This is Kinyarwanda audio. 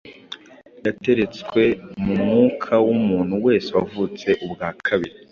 yateretswe mu mwuka w’umuntu wese wavutse ubwa kabiri.